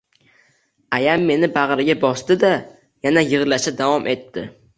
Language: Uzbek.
Ayam meni bagʻriga bosdi-da, yana yigʻlashda davom etdi.